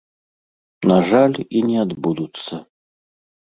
На жаль, і не адбудуцца.